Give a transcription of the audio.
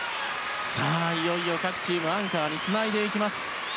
いよいよアンカーにつないでいきます。